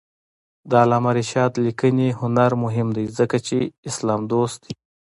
د علامه رشاد لیکنی هنر مهم دی ځکه چې اسلام دوست دی.